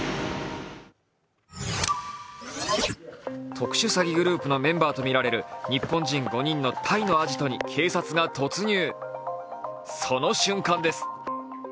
特殊詐欺グループのメンバーとみられる日本人５人のタイのアジトに警察が突入。